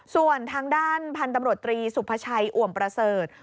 ส่วนทางด้านพันธุ์ตำรวจตรีสุภาชัยอ่วมประเสริฐ